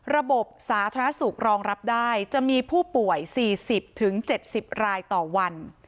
ระบบสาธารณสุขรองรับได้จะมีผู้ป่วย๔๐๗๐รายต่อวัน